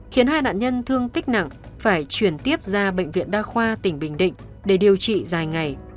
khiến hai nạn nhân thương tích nặng phải chuyển tiếp ra bệnh viện đa khoa tỉnh bình định để điều trị dài ngày